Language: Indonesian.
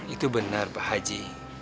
itu benar pak haji